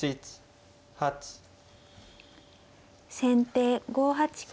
先手５八金。